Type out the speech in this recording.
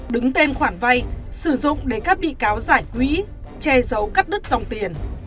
đứng tên khoản vay sử dụng để các bị cáo giải quỹ che giấu cắt đứt dòng tiền